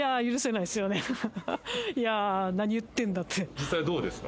実際どうですか？